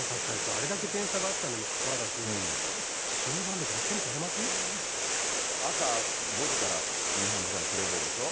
あれだけ点差があったにもかかわらず、朝５時から日本時間の、プレーボールでしょ。